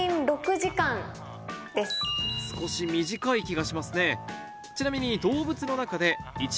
少し短い気がしますね